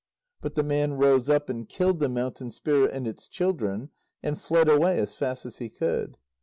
But the man rose up, and killed the Mountain Spirit and its children, and fled away as fast as he could.